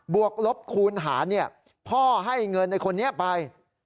วกลบคูณหารพ่อให้เงินในคนนี้ไป